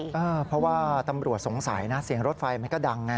ก็เพราะว่าตลวทสงสัยนะเสียงรถไฟมันก็ดัง